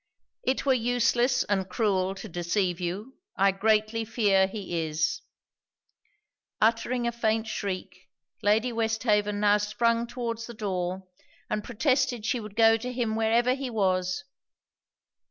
'It were useless and cruel to deceive you. I greatly fear he is.' Uttering a faint shriek, Lady Westhaven now sprung towards the door, and protested she would go to him wherever he was.